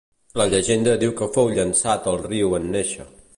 La llegenda diu que fou llençat al riu en néixer.